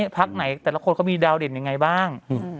พักไหนแต่ละคนก็มีดาวดินอย่างไรบ้าง